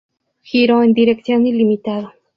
Giro en dirección ilimitado.